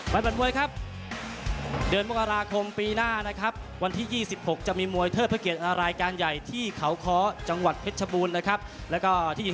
มันมันบรรคมน่ะครับวันที่๒๖จะมีมวยเทอดเผลอเกียรติอารายการใหญ่ที่เขาคอจังหวัดเพชรบูนนะครับแล้วก็ที่